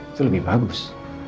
itu lebih bagus